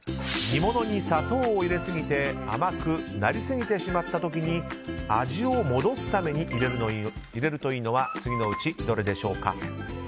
煮物に砂糖を入れすぎて甘くなりすぎてしまった時に味を戻すために入れるといいのは次のうちどれでしょうか。